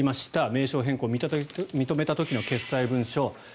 名称変更を認めた時の決裁文書。